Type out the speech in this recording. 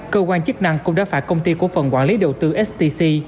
cơ quan chức năng cũng đã phạt công ty cổ phần quản lý đầu tư stc